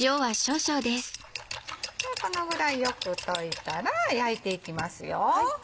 このぐらいよく溶いたら焼いていきます。